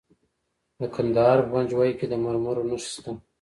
د کندهار په پنجوايي کې د مرمرو نښې شته.